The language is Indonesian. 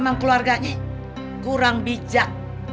emang keluarganya kurang bijak